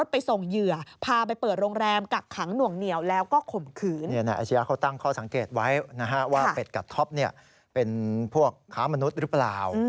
เป็นพวกข้ามนุษย์หรือเปล่า